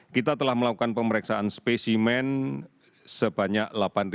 kita telah melakukan pemeriksaan spesimen sebanyak delapan tujuh ratus tujuh puluh enam